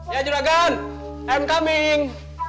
ya juragan i'm coming